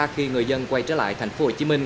khi người dân quay trở lại tp hcm